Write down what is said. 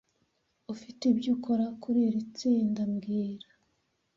Ufite ibyo ukora kuri iri tsinda mbwira